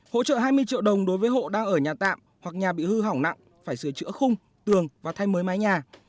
hỗ trợ hai mươi triệu đồng đối với hộ đang ở nhà tạm hoặc nhà bị hư hỏng nặng phải sửa chữa khung tường và thay mới mái nhà